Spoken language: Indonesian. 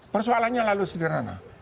persoalannya lalu sederhana